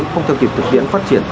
không theo kiệp thực tiễn phát triển